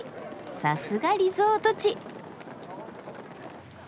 さすがリゾート地。